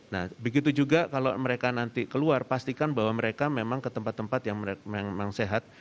nah begitu juga kalau mereka nanti keluar pastikan bahwa mereka memang ke tempat tempat yang memang sehat